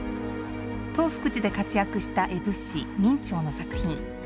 東福寺で活躍した絵仏師明兆の作品。